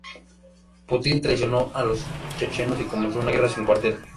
Putin traicionó a los chechenos y comenzó una guerra sin cuartel".